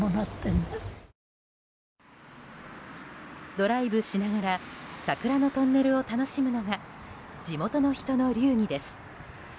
ドライブしながら桜のトンネルを楽しむのが地元の人の流儀です。